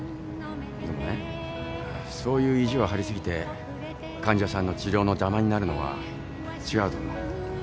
でもねそういう意地を張り過ぎて患者さんの治療の邪魔になるのは違うと思う。